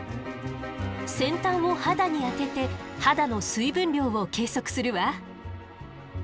先端を肌に当てて肌の水分量を計測するわ。